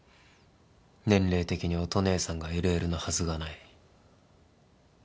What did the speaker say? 年齢的に乙姉さんがＬＬのはずがない。